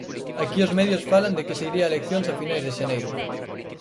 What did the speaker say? Aquí os medios falan de que se iría a eleccións a finais de xaneiro.